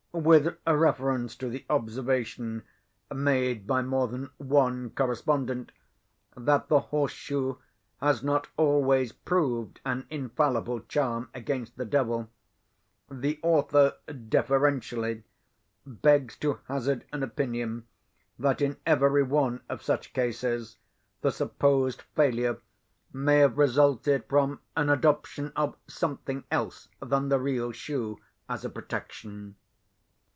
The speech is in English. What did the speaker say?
With reference to the observation, made by more than one correspondent, that the horse shoe has not always proved an infallible charm against the devil, the author, deferentially, begs to hazard an opinion that, in every one of such cases, the supposed failure may have resulted from an adoption of something else than the real shoe, as a protection.